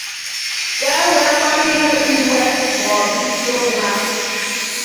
ka e wee mara ihe bụ iwe maọbụ isiokwu ha.